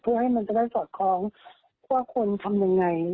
เพื่อให้มันจะได้สอดคล้องว่าคนทำยังไง